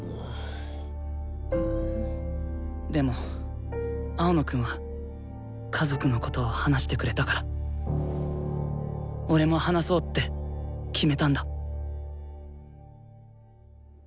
でも青野くんは家族のことを話してくれたから俺も話そうって決めたんだ。